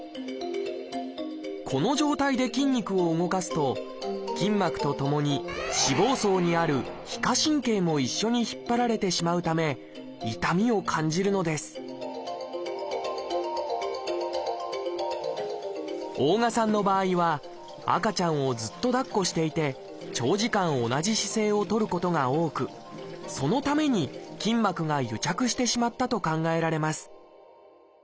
この状態で筋肉を動かすと筋膜とともに脂肪層にある「皮下神経」も一緒に引っ張られてしまうため痛みを感じるのです大我さんの場合は赤ちゃんをずっとだっこしていて長時間同じ姿勢をとることが多くそのために筋膜が癒着してしまったと考えられます